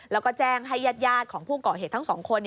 แล้วก็แจ้งให้ญาติของผู้ก่อเหตุทั้งสองคน